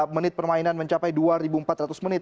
menit permainan mencapai dua ribu empat ratus menit